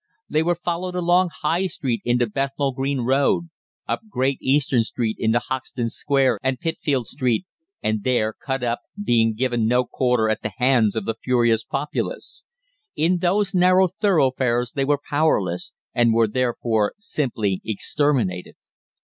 They were followed along High Street into Bethnal Green Road, up Great Eastern Street into Hoxton Square and Pitfield Street, and there cut up, being given no quarter at the hands of the furious populace. In those narrow thoroughfares they were powerless, and were therefore simply exterminated.